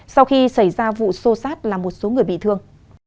sau khi xảy ra vụ sô sát làm một số người bị thương